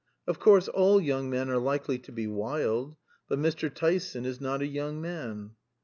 "Of course, all young men are likely to be wild; but Mr. Tyson is not a young man."